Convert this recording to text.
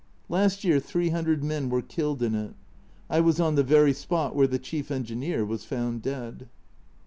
Last year 300 men were killed in it I was on the very spot where the chief engineer was found dead.